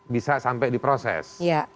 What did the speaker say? bisa sampai diproses